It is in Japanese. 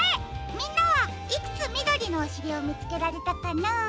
みんなはいくつみどりのおしりをみつけられたかな？